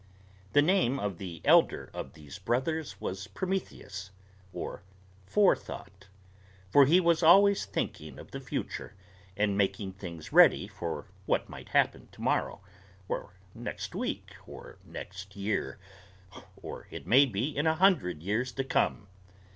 The name of the elder of these brothers was Prometheus, or Forethought; for he was always thinking of the future and making things ready for what might happen to morrow, or next week, or next year, or it may be in a hundred years to come.